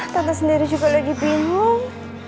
tante sendiri juga lagi bingung